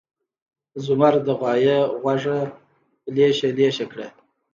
زمر د غوایه غوږه لېشه لېشه کړه.